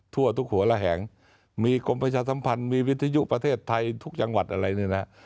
ทั่วทุกหัวระแหงมีกรมประชาสัมพันธ์มีวิทยุประเทศไทยทุกจังหวัดอะไรเนี่ยนะ